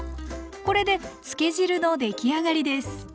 これでつけ汁のできあがりです。